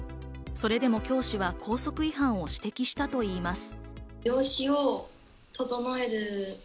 それでも教師は校則違反を指摘したといいます。